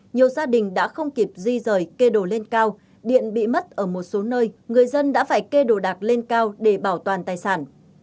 nhiều gia đình đã không kịp di rời kê đồ lên cao điện bị mất ở một số nơi người dân đã phải kê đồ đạc lên cao để bảo toàn tài sản